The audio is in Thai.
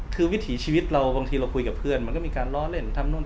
คือวิถีชีวิตเราบางทีเราคุยกับเพื่อนมันก็มีการล้อเล่นทำนู่น